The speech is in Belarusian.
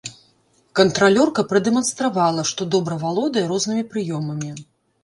Кантралёрка прадэманстравала, што добра валодае рознымі прыёмамі.